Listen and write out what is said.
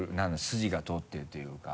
筋が通ってるというか。